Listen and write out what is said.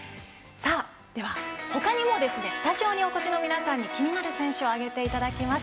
では、ほかにもスタジオにお越しの皆さんに気になる選手を挙げていただきます。